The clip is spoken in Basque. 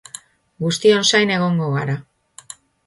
Guztion zain egongo gara!